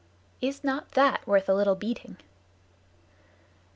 Is not that worth a little beating?"